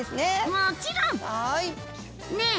もちろん！ねえ！